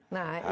nah itu dia